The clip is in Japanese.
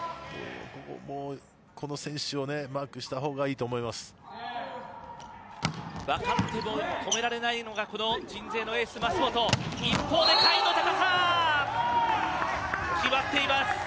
この選手をマークしたほうがいいと思います。